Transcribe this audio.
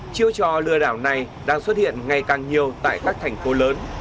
chiêu trò lừa đảo này đang xuất hiện ngày càng nhiều tại các thành phố lớn